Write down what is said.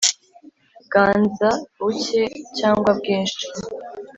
bwanza buke cyangwa bwinshi